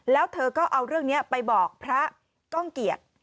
แล้วเธอก็เอาเรื่องนี้ไปบอกพระก้องเกียจ